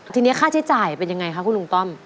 ทีนี้ค่าใช้จ่ายเป็นยังไงคะคุณลุงต้อม